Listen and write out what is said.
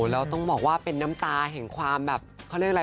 เราต้องบอกว่าเป็นน้ำตาแห่งความอันอันตันใจ